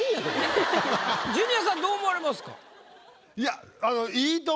ジュニアさんどう思われますか？